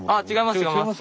違いますよね。